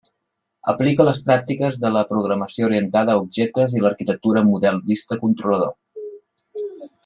Aplica les pràctiques de la programació orientada a objectes i l'arquitectura model–vista–controlador.